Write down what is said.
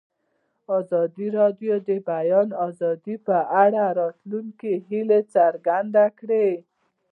ازادي راډیو د د بیان آزادي په اړه د راتلونکي هیلې څرګندې کړې.